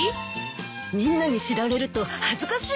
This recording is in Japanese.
みんなに知られると恥ずかしいからね。